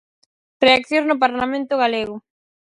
Reaccións no Parlamento galego.